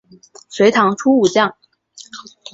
隋唐初武将。